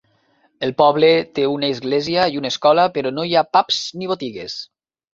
El poble té una església i una escola però no hi ha pubs ni botigues.